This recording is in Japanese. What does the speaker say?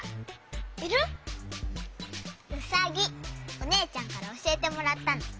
おねえちゃんからおしえてもらったの。